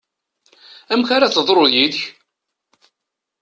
Amek ara teḍru yid-k?